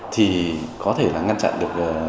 thì có thể là ngăn chặn được